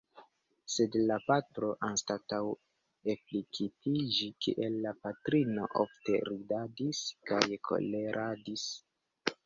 Sed la patro, anstataŭ afliktiĝi kiel la patrino, ofte ridadis kaj koleradis.